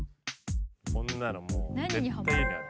こんなのもう絶対家にある。